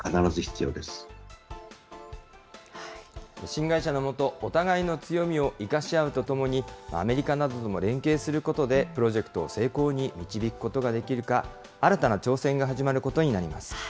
新会社の下、お互いの強みを生かし合うとともに、アメリカなどとも連携することで、プロジェクトを成功に導くことができるか、新たな挑戦が始まるこ